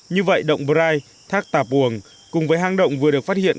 như vậy động bright thác tạp uồng cùng với hang động vừa được phát hiện